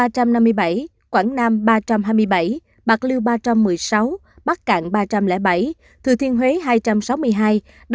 tình hình dịch covid một mươi chín